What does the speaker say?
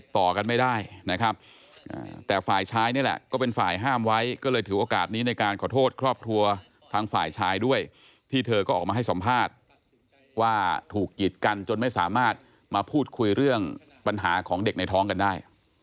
ที่เธอก็ออกมาให้สัมภาษณ์ว่าถูกหยิดกันจนไม่สามารถมาพูดคุยเรื่องปัญหาของเด็กในท้องกันได้